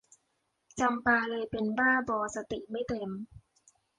จำปาเลยเป็นบ้าบอสติไม่เต็ม